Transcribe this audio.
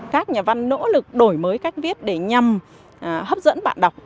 các nhà văn nỗ lực đổi mới cách viết để nhằm hấp dẫn bạn đọc